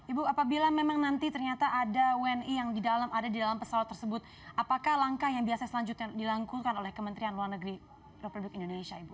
ibu apabila memang nanti ternyata ada wni yang di dalam ada di dalam pesawat tersebut apakah langkah yang biasa selanjutnya dilakukan oleh kementerian luar negeri republik indonesia ibu